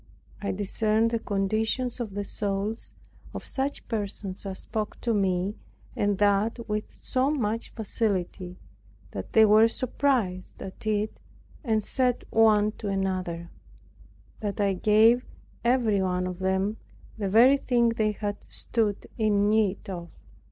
I discerned the conditions of the souls of such persons as spoke to me, and that with so much facility, that they were surprised at it, and said one to another, that I gave every one of them "the very thing they had stood in need of."